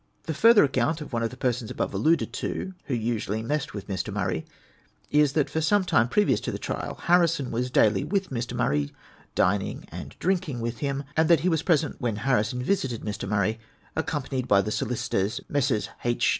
Tlie further account of one of the persons above alluded to (who usually messed with Mr. Murray), is, that for some time previous to the trial Harrison Avas daily with Mr. Murray, dining and drinking AAith him ; and that lie was present when Harrison visited Mr. JMurray, accompanied by the solicitors, ]\Iessrs. H.